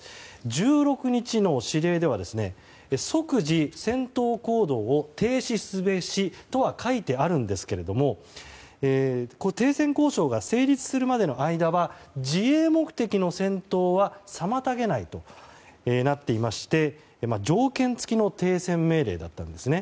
１６日の指令では即時戦闘行動を停止すべしとは書いてあるんですが停戦交渉が成立するまでの間は自衛目的の戦闘は妨げないとなっていまして条件付きの停戦命令だったんですね。